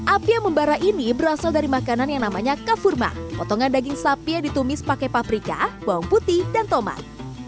api yang membara ini berasal dari makanan yang namanya kafurma potongan daging sapi yang ditumis pakai paprika bawang putih dan tomat